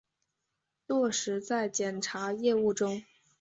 落实在检察业务中